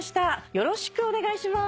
よろしくお願いします。